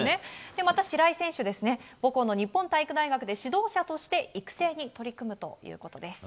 また、白井選手は母校の日本体育大学で指導者として育成に取り組むということです。